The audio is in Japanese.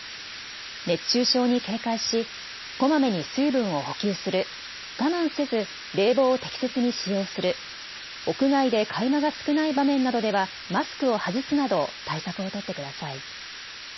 熱中症に警戒しこまめに水分を補給する、我慢せず冷房を適切に使用する、屋外で会話が少ない場面などではマスクを外すなど対策を取ってください。